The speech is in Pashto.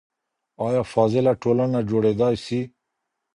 آیا فاضله ټولنه جوړیدای سي؟